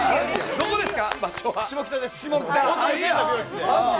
どこですか？